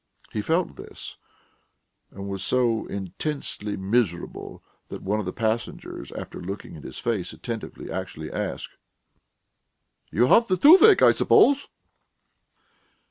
He felt this and was so intensely miserable that one of the passengers, after looking in his face attentively, actually asked: "You have the toothache, I suppose?"